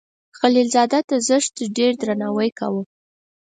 خلیل زاده ته زښت ډیر درناوی کاو.